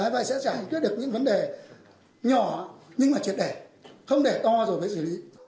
vậy sẽ trải nghiệm được những vấn đề nhỏ nhưng mà triệt đề không để to rồi phải xử lý